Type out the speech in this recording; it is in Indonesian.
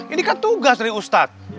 ini kan tugas dari ustadz